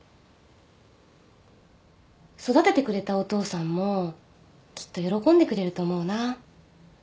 育ててくれたお父さんもきっと喜んでくれると思うな。